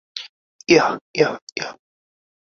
Yeah, yeah, yeah!